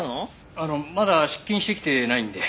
あのまだ出勤してきてないんで。